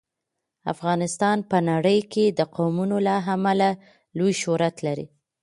افغانستان په نړۍ کې د قومونه له امله لوی شهرت لري.